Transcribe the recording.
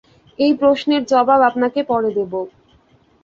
এই প্রশ্নের জবাব আপনাকে পরে দেব।